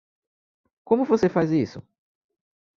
Como você faz isso?